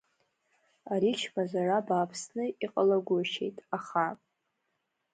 Ари чмазара бааԥсны иҟалагәышьеит, аха…